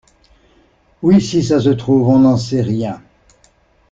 Oui, si ça se trouve on n'en sait rien.